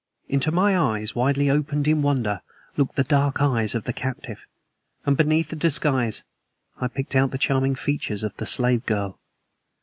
Into my eyes, widely opened in wonder, looked the dark eyes of the captive; and beneath the disguise I picked out the charming features of the slave girl.